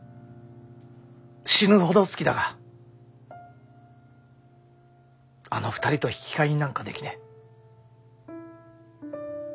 死ぬほど好きだがあの２人と引き換えになんかできねえ。